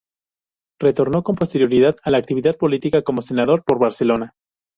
Retornó con posterioridad a la actividad política, como senador por Barcelona.